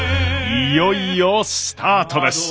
いよいよスタートです！